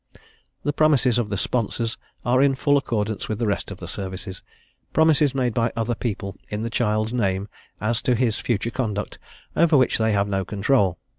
The promises of the sponsors are in full accordance with the rest of the services; promises made by other people, in the child's name, as to his future conduct, over which they have no control.